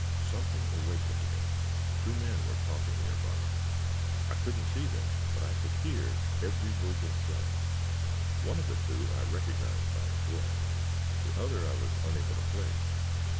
"Something awakened me. Two men were talking nearby. I couldn't see them, but could hear every word they said. One of the two I recognized by his voice. The other I was unable to place.